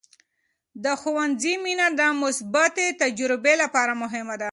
د ښوونځي مینه د مثبتې تجربې لپاره مهمه ده.